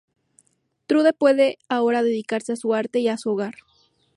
Trude puede ahora dedicarse a su arte y a su hogar.